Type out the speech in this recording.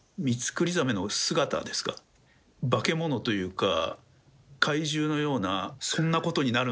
化け物というか怪獣のようなそんなことになる